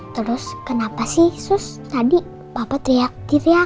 terus kenapa sih sus tadi papa teriak teriak